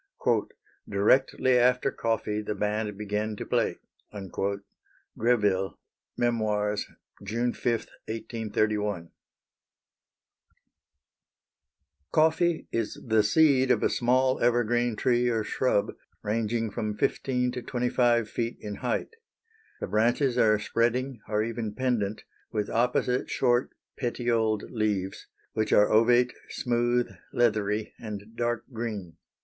"Directly after coffee the band began to play." Greville, Memoirs, June 5, 1831. Coffee is the seed of a small evergreen tree or shrub ranging from 15 to 25 feet in height. The branches are spreading or even pendant with opposite short petioled leaves, which are ovate, smooth, leathery, and dark green.